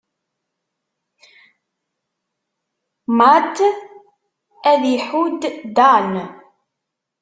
Matt ad iḥudd Dan.